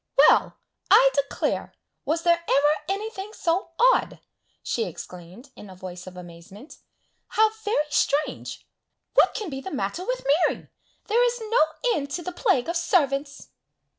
"Well! I declare! was there ever anything so odd!" she exclaimed in a voice of amazement. "How very strange! What can be the matter with Mary! There is no end to the plague of servants!"